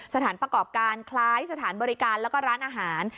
สถานประกอบการคล้ายสถานบริการแล้วก็ร้านอาหาร